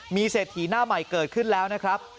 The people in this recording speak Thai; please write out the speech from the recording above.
มีเศรษฐีหน้าใหม่เกิดขึ้นแล้วนะครับ